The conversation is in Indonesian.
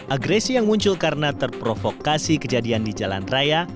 agresi yang muncul karena terprovokasi kejadian di jalan raya